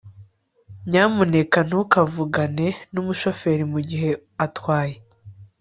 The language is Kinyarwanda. nyamuneka ntukavugane numushoferi mugihe atwaye